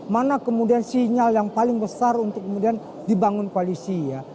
mana kemudian sinyal yang paling besar untuk kemudian dibangun koalisi ya